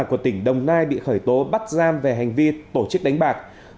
của tỉnh đồng nai bị khởi tố bắt giam về hành vi tổ chức đánh bạc